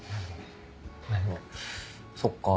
まぁでもそっか。